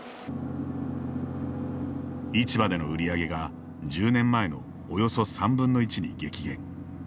市場での売り上げが１０年前のおよそ３分の１に激減。